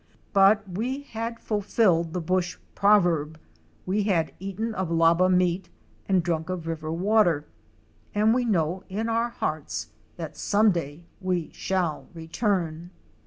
But we had fulfilled the bush proverb; we had "eaten of labba meat and drunk of river water" and we know in our hearts that some day we shall return.